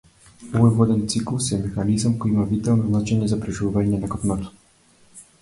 Овој воден циклус е механизам кој има витално значење за преживувањето на копното.